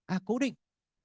à cố định